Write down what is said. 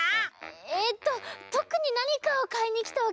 えっととくになにかをかいにきたわけじゃないんですけど。